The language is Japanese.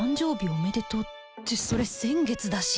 おめでとうってそれ先月だし